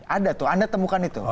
ada tuh anda temukan itu